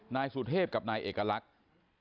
นายสุเทพธนัดไถกับนายเอกลักษณ์